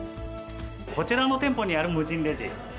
こちらの店舗にある無人レジ。